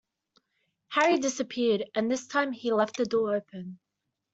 Harry disappeared; and this time he left the door open.